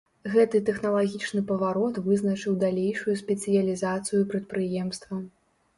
Гэты тэхналагічны паварот вызначыў далейшую спецыялізацыю прадпрыемства.